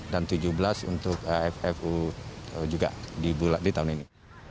dan tujuh belas untuk aff u juga di tahun ini